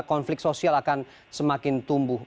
konflik sosial akan semakin tumbuh